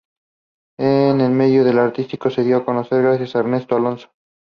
En el medio artístico se dio a conocer gracias a Ernesto Alonso.